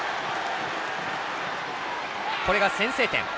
これが先制点。